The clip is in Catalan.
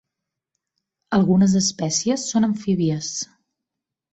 Algunes espècies són amfíbies.